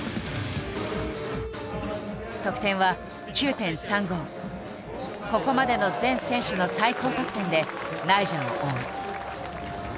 得点はここまでの全選手の最高得点でナイジャを追う。